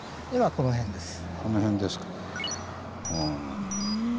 この辺ですか。